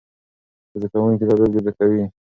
زده کوونکي دا بېلګې زده کوي.